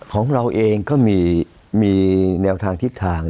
ของเราเองก็มีแนวทางทิศทาง